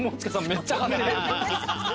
めっちゃ買ってる。